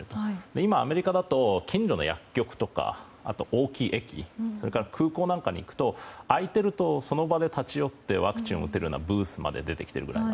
今、アメリカだと近所の薬局とか大きい駅、空港なんかに行くと空いているとその場で立ち寄ってワクチンを打てるようなブースまで出てきています。